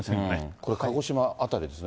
これ、鹿児島辺りですね。